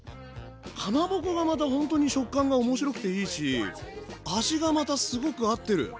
かまぼこがまたほんとに食感が面白くていいし味がまたすごく合ってる。